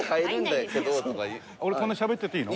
俺こんなしゃべってていいの？